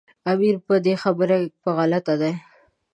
امیر په دې خبره کې په غلطه دی.